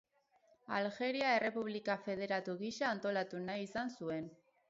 Aljeria errepublika federatu gisa antolatu nahi izan zuen.